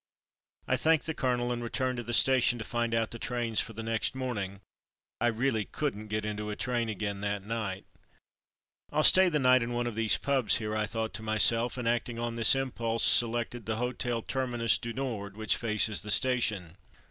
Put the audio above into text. I thanked the colonel and returned to the station to find out the trains for next morning. I really couldn't get into a train again that night. 'TU stay the night in one of these pubs Loneliness in Paris i53 here, '' I thought to myself, and, acting on this impulse, selected the Hotel Terminus du Nord, which faces the station.